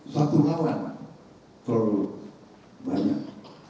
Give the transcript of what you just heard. satu lawan terlalu banyak